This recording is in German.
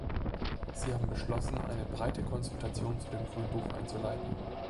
Sie haben beschlossen, eine breite Konsultation zu dem Grünbuch einzuleiten.